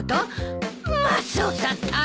マスオさんったら。